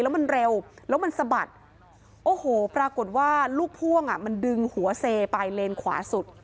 แล้วมันเร็วแล้วมันสะบัดโอ้โหปรากฏว่าลูกพ่วงอ่ะมันดึงหัวเซไปเลนขวาสุด